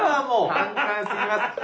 簡単すぎますって。